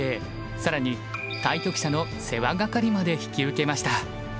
更に対局者の世話係まで引き受けました。